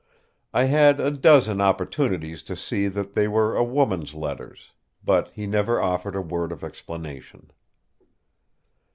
I had a dozen opportunities to see that they were a woman's letters: but he never offered a word of explanation.